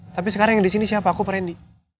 tapi sekarang yang disini siapa aku apa randy